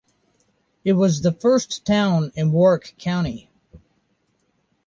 It was the first town in Warrick County.